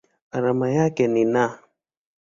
Alama yake ni Na.